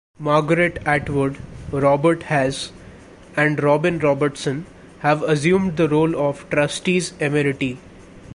Margaret Atwood, Robert Hass and Robin Robertson have assumed the role of Trustees Emeriti.